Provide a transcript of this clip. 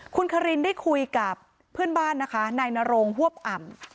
คุณคลิ๊นได้คุยกับเพื่อนบ้านนายนารงหวบอ่ำ